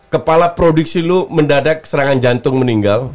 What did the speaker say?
kepala produksi lu mendadak serangan jantung meninggal